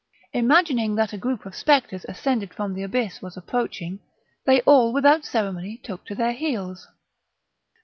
Imagining that a group of spectres ascended from the abyss was approaching, they all without ceremony took to their heels.